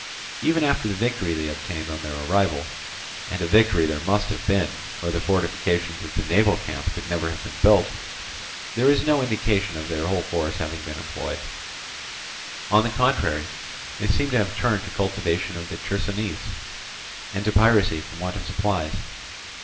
Even after the victory they obtained on their arrival—and a victory there must have been, or the fortifications of the naval camp could never have been built—there is no indication of their whole force having been employed; on the contrary, they seem to have turned to cultivation of the Chersonese and to piracy from want of supplies.